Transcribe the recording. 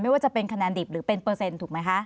ว่าจะเป็นคะแนนดิบหรือเป็นเปอร์เซ็นต์ถูกไหมคะ